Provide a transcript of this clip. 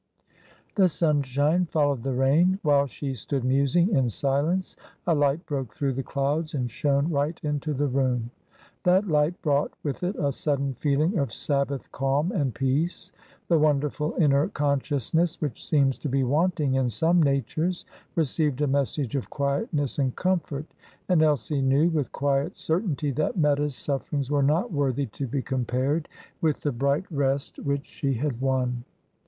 The sunshine followed the rain. While she stood musing in silence a light broke through the clouds and shone right into the room. That light brought with it a sudden feeling of Sabbath calm and peace. The wonderful inner consciousness (which seems to be wanting in some natures) received a message of quietness and comfort, and Elsie knew, with quiet certainty, that Meta's sufferings were not worthy to be compared with the bright rest which she had won.